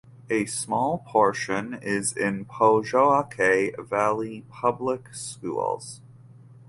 A small portion is in Pojoaque Valley Public Schools.